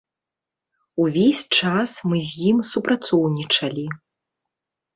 Увесь час мы з ім супрацоўнічалі.